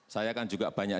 saya kan juga banyak